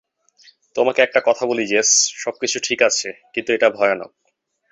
তোমাকে একটা কথা বলি জেস, সবকিছু ঠিক আছে, কিন্তু এটা ভয়ানক।